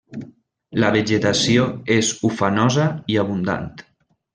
La vegetació és ufanosa i abundant.